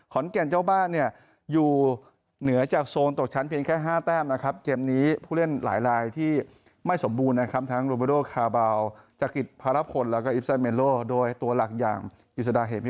ขอนแก่นเจ้าบ้านอยู่เหนือจากโซนตกชั้นเพียงแค่๕แต้มนะครับเกมนี้ผู้เล่นหลายที่ไม่สมบูรณ์นะครับ